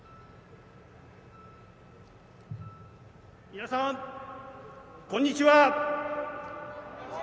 皆さん、こんにちは。